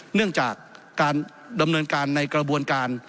เนื่องจากการดำเนินการในกระบวนการ